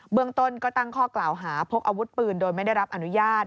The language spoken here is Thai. เมืองต้นก็ตั้งข้อกล่าวหาพกอาวุธปืนโดยไม่ได้รับอนุญาต